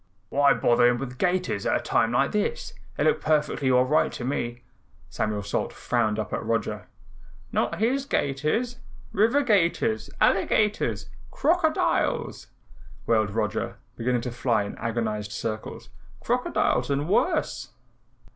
"Why bother him with gaiters at a time like this? They look perfectly all right to me." Samuel Salt frowned up at Roger. "Not his gaiters, river 'gators, alligators, CROCODILES!" wailed Roger, beginning to fly in agonized circles. "Crocodiles and WORSE."